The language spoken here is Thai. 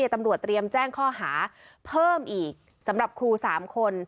ตำรวจเตรียมแจ้งข้อหาเพิ่มอีกสำหรับครู๓คน